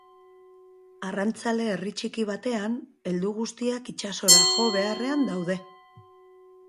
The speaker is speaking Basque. Arrantzale-herri txiki batean, heldu guztiak itsasora jo beharrean daude.